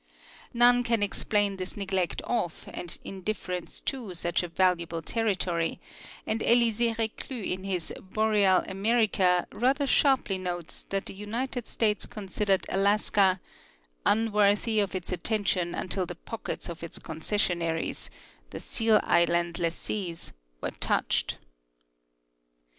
None can explain this neglect of and indifference to such a valu able territory, and Elisee Reclus in his " Boreal America " rather sharply notes that the United States considered Alaska " un worthy of its attention until the pockets of its concessionaires [the seal island lessees] were touched."